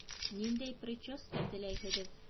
Ниндәй прическа теләйһегеҙ?